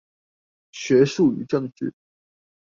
學術與政治